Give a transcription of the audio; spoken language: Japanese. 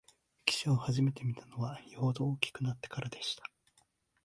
汽車をはじめて見たのは、よほど大きくなってからでした